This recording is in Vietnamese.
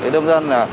đông dân là